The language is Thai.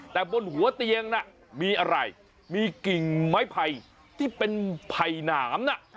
แต่บนหัวเตียงน่ะมีอะไรมีกิ่งไม้ไผ่ที่เป็นไผ่หนามน่ะ